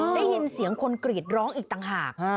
ได้ยินเสียงคนกรีดร้องอีกต่างหาก